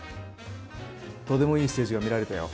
とてもいいステージが見られたよ。